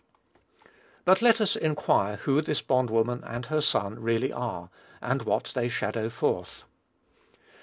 But let us inquire who this bond woman and her son really are, and what they shadow forth.